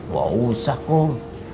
gak usah kum